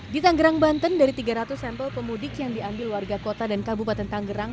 di tanggerang banten dari tiga ratus sampel pemudik yang diambil warga kota dan kabupaten tanggerang